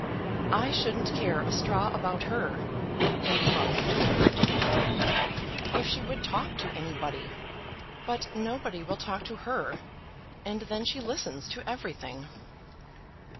"I shouldn't care a straw about her," Lady Monk had been heard to complain, "if she would talk to anybody. But nobody will talk to her, and then she listens to everything."